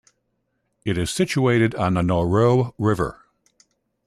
It is situated on the Noireau River.